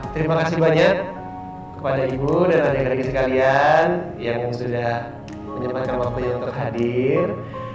terima kasih banyak kepada ibu dan anak anak sekalian yang sudah menjembatkan waktu yang terhadir